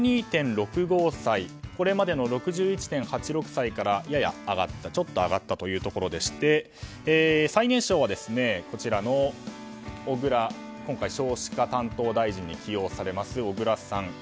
これまでの６１．８６歳からちょっと上がったというところでして最年少は今回少子化担当大臣に起用されます小倉さん。